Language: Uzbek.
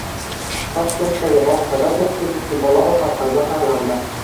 Toshkentdagi bogʻchada o‘ttiz ikki bola ovqatdan zaharlandi.